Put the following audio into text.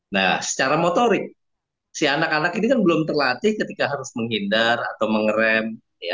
nah secara motorik si anak anak ini kan belum terlatih ketika harus menghindar atau mengerem